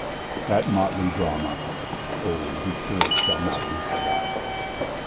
That motley drama—oh, be sure It shall not be forgot!